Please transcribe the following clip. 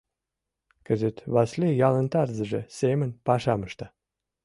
Кызыт Васлий ялын тарзыже семын пашам ышта.